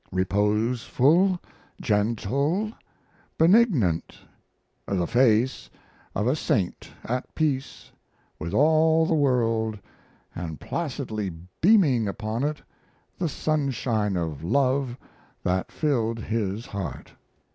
Reposeful, gentle, benignant; the face of a saint at peace with all the world and placidly beaming upon it the sunshine of love that filled his heart.